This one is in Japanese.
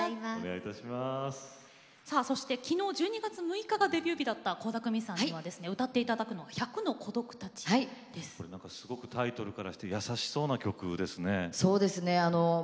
きのう１２月６日がデビュー日だった倖田來未さんに歌っていただくのはタイトルからして優しそうな曲ですね。